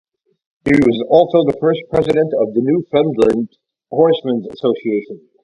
He was also the first president of the Newfoundland Horseman's Association.